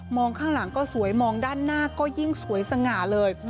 ข้างหลังก็สวยมองด้านหน้าก็ยิ่งสวยสง่าเลย